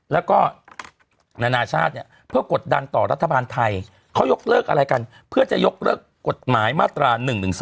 แล้วก็นานาชาติเนี่ยเพื่อกดดันต่อรัฐบาลไทยเขายกเลิกอะไรกันเพื่อจะยกเลิกกฎหมายมาตรา๑๑๒